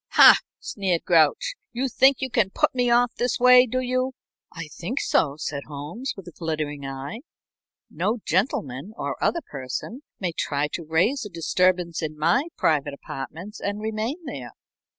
"Hah!" sneered Grouch. "You think you can put me off this way, do you?" "I think so," said Holmes, with a glittering eye. "No gentleman or other person may try to raise a disturbance in my private apartments and remain there."